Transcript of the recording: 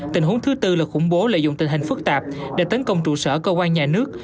tình huống thứ tư là khủng bố lợi dụng tình hình phức tạp để tấn công trụ sở cơ quan nhà nước